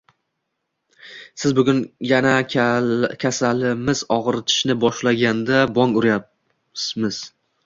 Biz bugun yana kasalimiz og‘ritishni boshlaganda bong uryapmiz.